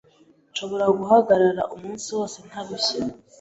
Nshobora guhagarara umunsi wose ntarushye.